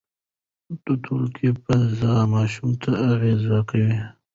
د ټولګي فضا ماشوم ته اغېز کوي.